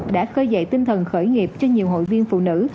đã khơi dậy tinh thần khởi nghiệp cho nhiều hội viên phụ nữ